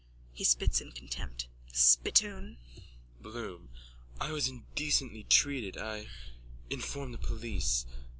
(He spits in contempt.) Spittoon! BLOOM: I was indecently treated, I... Inform the police.